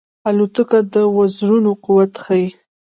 الوتکه د وزرونو قوت ښيي.